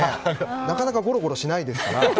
なかなかゴロゴロしないですから。